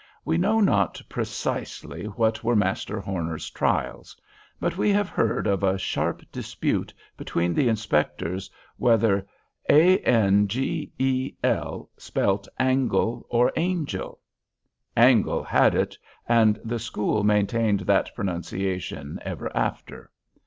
We know not precisely what were Master Horner's trials; but we have heard of a sharp dispute between the inspectors whether a n g e l spelt angle or angel. Angle had it, and the school maintained that pronunciation ever after.